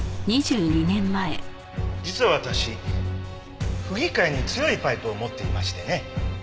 実は私府議会に強いパイプを持っていましてね。